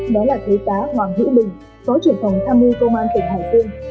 đó là thế giá hoàng hữu bình có truyền phòng tham mưu công an tỉnh hải tương